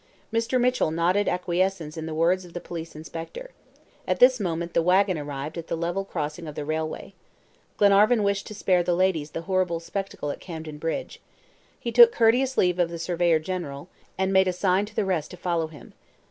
Mr. Mitchell nodded acquiescence in the words of the police inspector. At this moment the wagon arrived at the level crossing of the railway. Glenarvan wished to spare the ladies the horrible spectacle at Camden Bridge. He took courteous leave of the surveyor general, and made a sign to the rest to follow him.